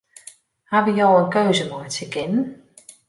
Hawwe jo in keuze meitsje kinnen?